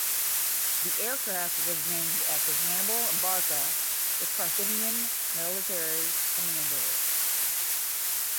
The aircraft was named after Hannibal Barca, the Carthaginian military commander.